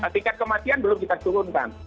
tingkat kematian belum kita turunkan